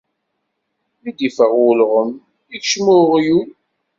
Mi-d-iffeɣ ulɣem ikecem uɣyul.